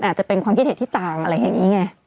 อาจจะเป็นความคิดเห็นที่ต่างอะไรอย่างนี้ไง